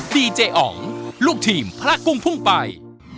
ดีเจอ๋องลูกทีมพระกุ้งพุ่งไป